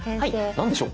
何でしょう？